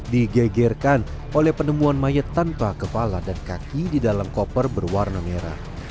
digegerkan oleh penemuan mayat tanpa kepala dan kaki di dalam koper berwarna merah